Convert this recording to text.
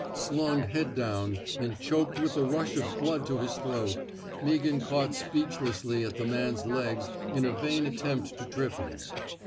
Slung head down, and choked with the rush of blood to his throat, Meaghan caught speechlessly at the man's legs in a vain attempt to trip him.